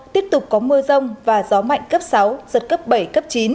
tiếp tục có mưa rông và gió mạnh cấp sáu giật cấp bảy cấp chín